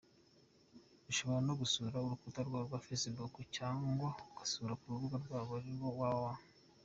Ushobora no gusura urukuta rwabo rwa facebook cyangwa ukabasura ku rubuga rwabo arirwo www.